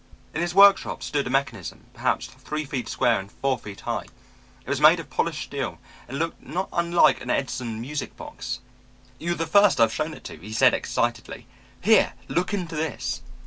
"In his workshop stood a mechanism perhaps three feet square and four feet high. It was made of polished steel and looked not unlike an Edison music box. "'You are the first I have shown it to,' he said excitedly. 'Here, look into this.'